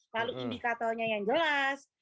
lalu indikatonya yang jelas